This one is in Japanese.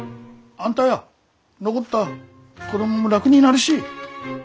あんたや残った子供も楽になるし。